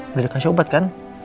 udah dikasih obat kan